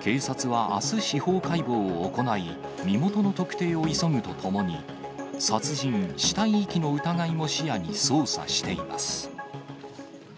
警察はあす、司法解剖を行い、身元の特定を急ぐとともに、殺人・死体遺棄の疑いも視野に捜査しています。